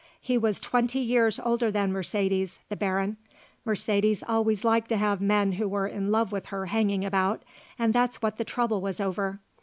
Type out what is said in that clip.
He was twenty years older than Mercedes, the Baron. Mercedes always liked to have men who were in love with her hanging about, and that's what the trouble was over.